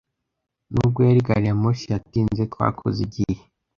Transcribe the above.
Nubwo gari ya moshi yatinze, twakoze igihe.